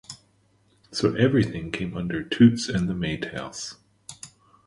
So everything came under Toots and the Maytals.